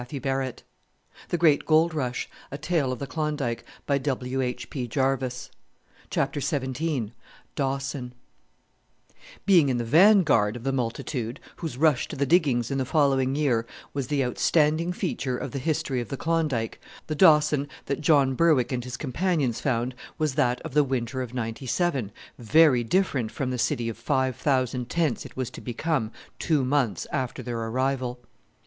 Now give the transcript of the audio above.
They made the trip all right, but it was only because they met some Siwashes." CHAPTER XVII DAWSON Being in the vanguard of the multitude, whose rush to the diggings in the following year was the outstanding feature of the history of the Klondike, the Dawson that John Berwick and his companions found was that of the winter of '97, very different from the city of five thousand tents it was to become two months after their arrival!